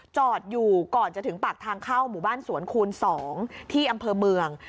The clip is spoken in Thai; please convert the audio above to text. จอดอยู่ก่อนจะถึงปากทางเข้าหมู่บ้านสวนคูณ๒ที่อำเภอเมือง